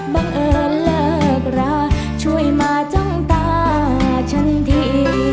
บังเอิญเลิกราช่วยมาจ้องตาฉันที